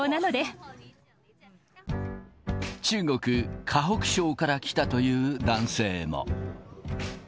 中国・河北省から来たという男性も。